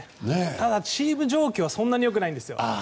ただチーム状況がそんなに良くないんですよ。